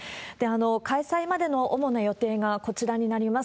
開催までの主な予定がこちらになります。